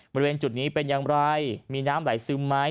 บริเวณจุดนี้เป็นอย่างไรมีน้ำไหลซึมไหม